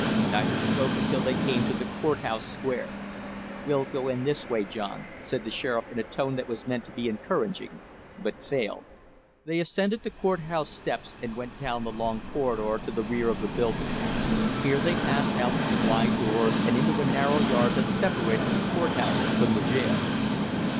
Neither spoke until they came to the court house Square. "We'll go in this way, John!" said the sheriff in a tone that was meant to be encouraging, but failed. They ascended the court house steps, and went down the long corridor to the rear of the building. Here they passed out through wide doors and into a narrow yard that separated the court house from the jail.